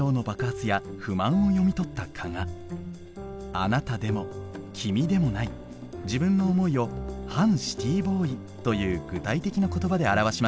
「あなた」でも「きみ」でもない自分の思いを「反シティーボーイ」という具体的な言葉で表しました。